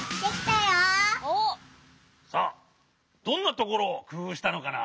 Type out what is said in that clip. さあどんなところをくふうしたのかな？